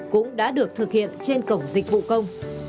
cũng đã được thực hiện trên cổng dịch vụ công